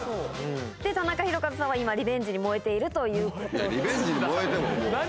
タナカヒロカズさんは、今、リベンジに燃えているということリベンジに燃えてるの？